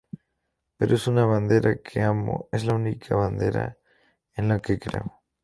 Pero es una bandera que amo, es la única bandera en la que creo.